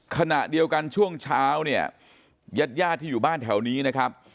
ขณะเดียวกันช่วงเช้าเนี่ยญาติญาติที่อยู่บ้านแถวนี้นะครับ